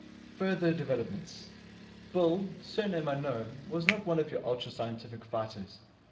Further Developments Bill (surname unknown) was not one of your ultra scientific fighters.